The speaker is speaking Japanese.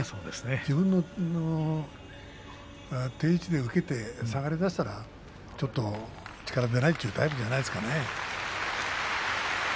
自分の定位置で受けて下がりだしたらちょっと力が出ないというタイプじゃないですかね。